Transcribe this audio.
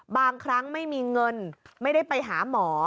บางครั้งไม่มีเงินไม่ได้ไปหาหมอ